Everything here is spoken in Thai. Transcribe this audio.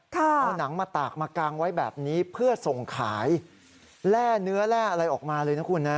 เอาหนังมาตากมากางไว้แบบนี้เพื่อส่งขายแร่เนื้อแร่อะไรออกมาเลยนะคุณนะ